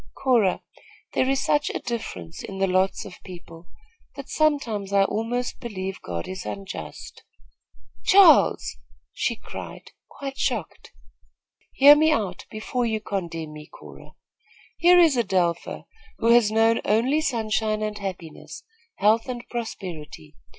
"Cora, there is such a difference in the lots of people, that sometimes I almost believe God is unjust." "Charles!" she cried, quite shocked. "Hear me out, before you condemn me, Cora. Here is Adelpha, who has known only sunshine and happiness, health and prosperity.